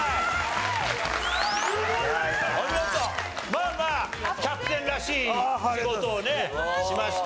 まあまあキャプテンらしい仕事をねしましたよ。